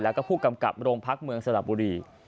แล้วก็ผู้กำกับโรงพักเมืองสระบุรี